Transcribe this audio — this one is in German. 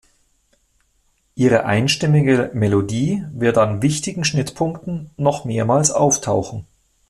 Ihre einstimmige Melodie wird an wichtigen Schnittpunkten noch mehrmals auftauchen.